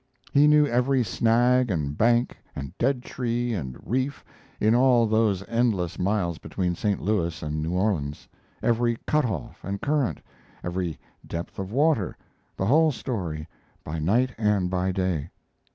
He knew every snag and bank and dead tree and reef in all those endless miles between St. Louis and New Orleans, every cut off and current, every depth of water the whole story by night and by day.